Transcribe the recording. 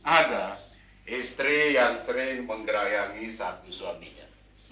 ada istri yang sering menggerayangi satu suaminya